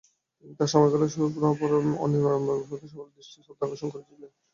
তিনি তার সময়কালে সুরাপান নিবারকরূপে সকলের দৃষ্টি ও শ্রদ্ধা আকর্ষণ করেছিলেন।